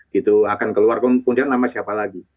gitu akan keluar kemudian nama siapa lagi